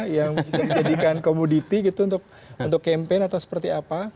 yang bisa dijadikan komoditi gitu untuk campaign atau seperti apa